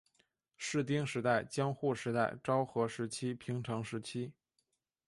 室町时代江户时代昭和时期平成时期